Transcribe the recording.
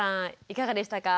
いかがでしたか？